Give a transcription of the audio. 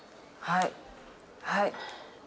はいはい。